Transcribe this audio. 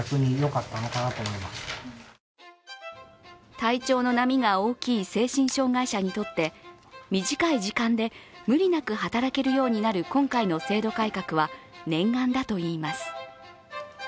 体調の波が大きい精神障害者にとって短い時間で無理なく働けるようになる今回の制度改革は念願だといいます。